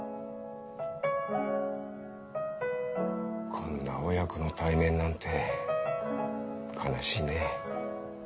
こんな親子の対面なんて悲しいね。